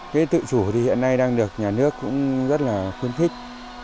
cái tự chủ thì hiện nay đang được nhà nước cũng rất là khuyến khích